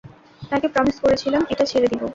তাকে প্রমিজ করেছিলাম এটা ছেড়ে দিবো।